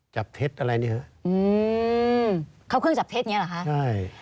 จับเท็จอะไรเนี่ยเหรอเขาเครื่องจับเท็จเนี่ยเหรอคะ